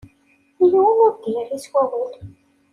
Yiwen ur d-yerri s wawal.